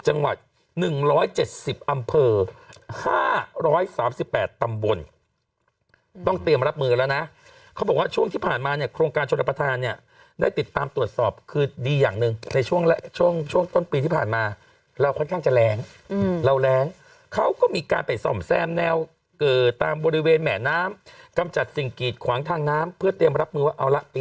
จังหวัด๑๗๐อำเภอ๕๓๘ตำบลต้องเตรียมรับมือแล้วนะเขาบอกว่าช่วงที่ผ่านมาเนี่ยโครงการชนรับประทานเนี่ยได้ติดตามตรวจสอบคือดีอย่างหนึ่งในช่วงช่วงต้นปีที่ผ่านมาเราค่อนข้างจะแรงเราแรงเขาก็มีการไปส่อมแซมแนวตามบริเวณแหม่น้ำกำจัดสิ่งกีดขวางทางน้ำเพื่อเตรียมรับมือว่าเอาละปี